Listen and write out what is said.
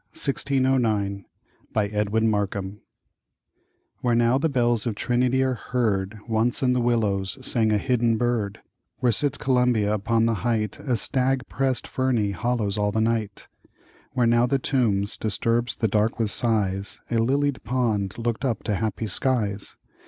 1917. Manhattan, 1609 Edwin Markham WHERE now the bells of Trinity are heard, Once in the willows sang a hidden bird, Where sits Columbia upon the height,A stag pressed ferny hollows all the night. Where now the Tombs disturbs the dark with sighs,A lilied pond looked up to happy skies.